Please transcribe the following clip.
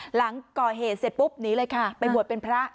หลังก่อเหตุเสร็จปุ๊บหนีเลยค่ะไปบวชเป็นพระ